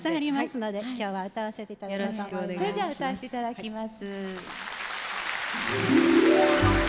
それじゃあ歌わせていただきます。